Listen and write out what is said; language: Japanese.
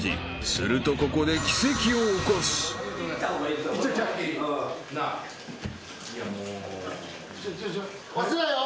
［するとここで奇跡を起こす］押すなよ。